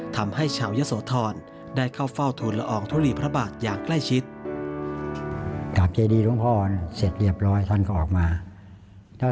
ทำให้ชาวยะโสธรได้เข้าเฝ้าทุนละอองทุลีพระบาทอย่างใกล้ชิด